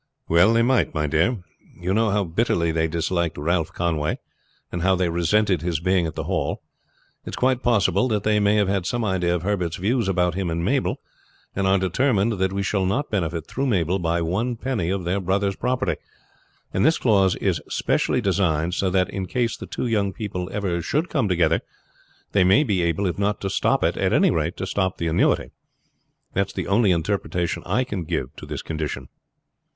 "Well, they might, my dear. You know how bitterly they disliked Ralph Conway, and how they resented his being at the Hall. It is quite possible they may have had some idea of Herbert's views about him and Mabel, and are determined that he shall not benefit through Mabel by one penny of their brother's property; and this clause is specially designed so that in case the two young people ever should come together they may be able if not to stop it at any rate to stop the annuity. That is the only interpretation I can give to this condition."